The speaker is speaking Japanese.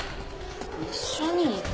一緒に行く。